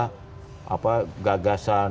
gagasan people power dan sebagainya itu